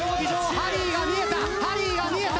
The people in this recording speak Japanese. ハリーが見えたハリーが見えた。